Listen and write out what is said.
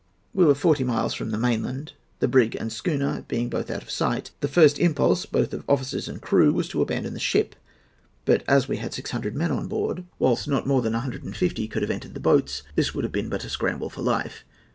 "We were forty miles from the mainland, the brig and schooner being both out of sight. The first impulse, both of officers and crew, was to abandon the ship, but, as we had six hundred men on board, whilst not more than a hundred and fifty could have entered the boats, this would have been but a scramble for life.